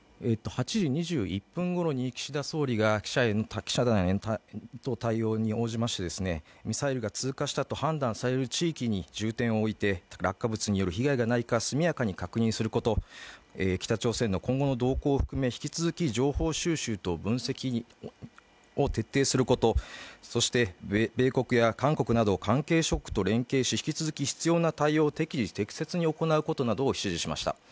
８時２１分頃に岸田総理が記者団の対応に応じましてミサイルが通過したと判断される地域に重点を置いて落下物による被害がないか速やかに確認すること、北朝鮮の今後の動向を含め引き続き情報収集と分析を徹底すること、そして米国や韓国など関係諸国と連携し、引き続き必要な対応を適時適切に行うことなどを示しました。